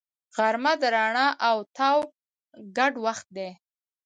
غرمه د رڼا او تاو ګډ وخت دی